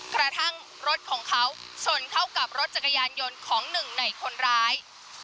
กระทั่งรถของเขาชนเข้ากับรถจักรยานยนต์ของหนึ่งในคนร้าย